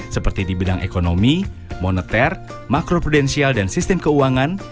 seperti di bidang ekonomi moneter makro prudensial dan sistem keuangan